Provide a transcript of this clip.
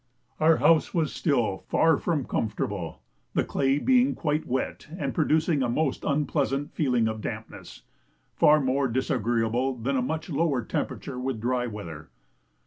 Our house was still far from comfortable, the clay being quite wet and producing a most unpleasant feeling of dampness, far more disagreeable than a much lower temperature with dry weather.